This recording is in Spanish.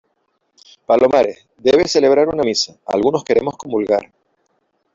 palomares , debes celebrar una misa . algunos queremos comulgar